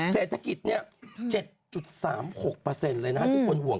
เศรษฐกิจ๗๓๖เลยนะที่คนห่วง